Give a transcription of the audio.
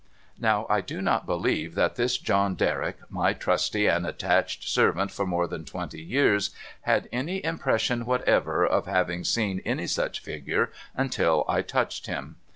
' Now I do not believe that this John Derrick, my trusty and attached servant for more than twenty years, had any impression whatever of having seen any such figure, until I touched him.